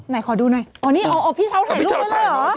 ไหนขอดูหน่อยอ๋อนี่อ๋อพี่เช้าถ่ายรูปไว้เลยเหรอ